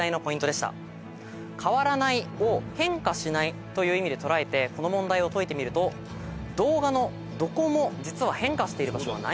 「かわらない」を変化しないという意味で捉えてこの問題を解いてみると動画のどこも実は変化している場所はないんです。